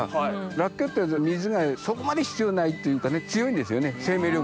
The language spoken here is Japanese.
ラッキョウって水がそこまで必要ないっていうかね。